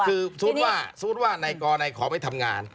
คือสมมติว่านายกรนายขอไม่ทำงาน